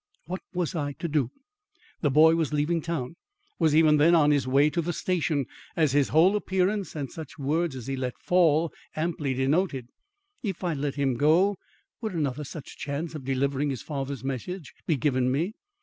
What was I to do? The boy was leaving town was even then on his way to the station as his whole appearance and such words as he let fall amply denoted. If I let him go, would another such chance of delivering his father's message be given me?